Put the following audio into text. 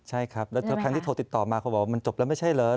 ใช่ครับแล้วครั้งที่โทรติดต่อมาเขาบอกว่ามันจบแล้วไม่ใช่เหรอ